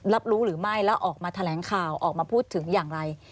รับรู้หรือไม่แล้วออกมาแถลงข่าวออกมาพูดถึงอย่างไร